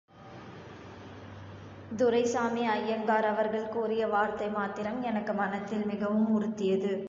துரைசாமி ஐயங்கார் அவர்கள் கூறிய வார்த்தை மாத்திரம் எனக்கு மனத்தில் மிகவும் உறுத்தியது.